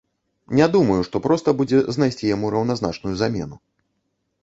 Не думаю, што проста будзе знайсці яму раўназначную замену.